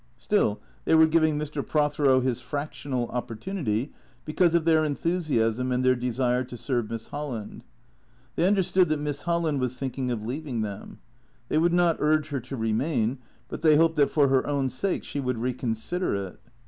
Still, they were giving Mr. Prothero his frac tional opportunity, because of their enthusiasm and their de sire to serve Miss Holland. They understood that Miss Hol land was thinking of leaving them. They would not urge her to remain, but they hoped that, for her own sake, she would re consider it.